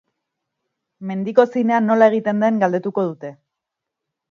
Mendiko zinea nola egiten den galdetuko dute.